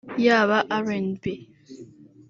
yaba RnB